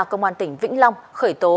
công an tỉnh vĩnh long khởi tố